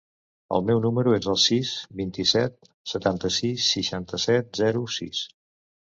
El meu número es el sis, vint-i-set, setanta-sis, seixanta-set, zero, sis.